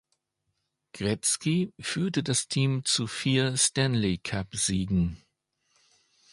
Gretzky führte das Team zu vier Stanley Cup Siegen.